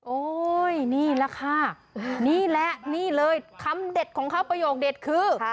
นี่แหละค่ะนี่แหละนี่เลยคำเด็ดของเขาประโยคเด็ดคือ